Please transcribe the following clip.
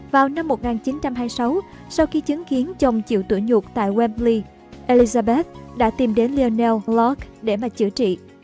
vào năm một nghìn chín trăm hai mươi sáu sau khi chứng kiến chồng chịu tửa nhuột tại wembley elizabeth đã tìm đến lionel locke để mà chữa trị